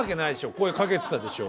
声かけてたでしょ。